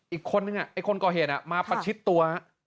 อีกคนอีกคนก่อเหตุมาประชิดตัว